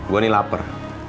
gua ini lapar